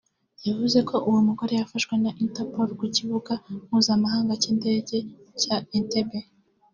yavuze ko uwo mugore yafashwe na Interpol ku Kibuga Mpuzamahanga cy’Indege cya Entebbe